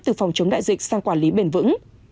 từ phòng chống đại dịch sang quản lý bền vững